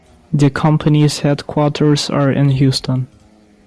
The company's headquarters are in Houston.